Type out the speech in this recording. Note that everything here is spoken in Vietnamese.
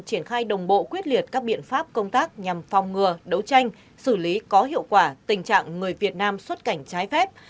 triển khai đồng bộ quyết liệt các biện pháp công tác nhằm phòng ngừa đấu tranh xử lý có hiệu quả tình trạng người việt nam xuất cảnh trái phép